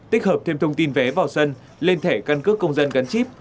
tích hợp thêm thông tin vé vào sân lên thẻ căn cước công dân gắn chip